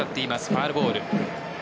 ファウルボール。